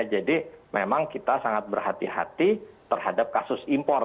jadi memang kita sangat berhati hati terhadap kasus impor